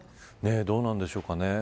どうなんでしょうかね。